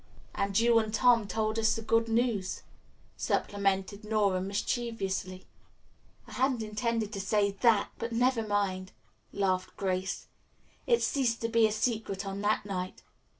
"And you and Tom told us the good news," supplemented Nora mischievously. "I hadn't intended to say that, but never mind," laughed Grace. "It ceased to be a secret on that night.